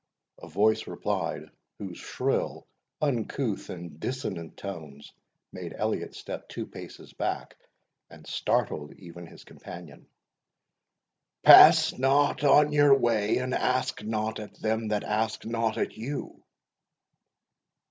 a voice replied, whose shrill, uncouth, and dissonant tones made Elliot step two paces back, and startled even his companion, "Pass on your way, and ask nought at them that ask nought at you."